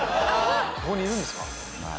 ここにいるんですか？